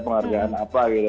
penghargaan apa gitu